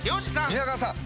宮川さん